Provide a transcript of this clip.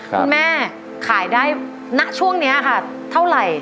คุณแม่ขายได้ณช่วงนี้ค่ะเท่าไหร่